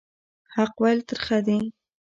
حق ویل ترخه دي